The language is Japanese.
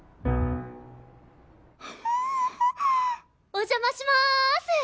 お邪魔します。